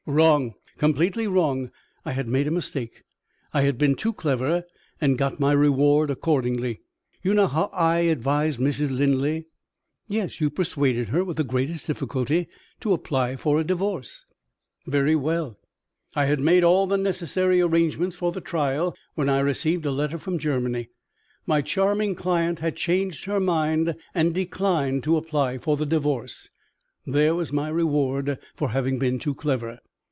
"Wrong, completely wrong. I had made a mistake I had been too clever, and I got my reward accordingly. You know how I advised Mrs. Linley?" "Yes. You persuaded her, with the greatest difficulty, to apply for a Divorce." "Very well. I had made all the necessary arrangements for the trial, when I received a letter from Germany. My charming client had changed her mind, and declined to apply for the Divorce. There was my reward for having been too clever!"